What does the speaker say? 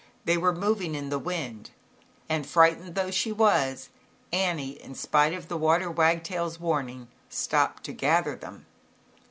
They were moving in the wind, and, frightened though she was, Annie, in spite of the water wagtail's warning, stopped to gather them.